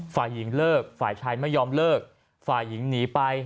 ฝ่ายหญิงเลิกฝ่ายชายไม่ยอมเลิกฝ่ายหญิงหนีไป